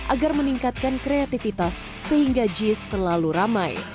agar meningkatkan kreativitas sehingga jis selalu ramai